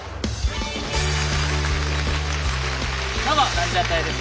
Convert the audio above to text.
どうもランジャタイです。